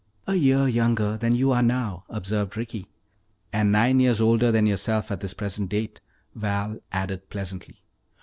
"A year younger than you are now," observed Ricky. "And nine years older than yourself at this present date," Val added pleasantly.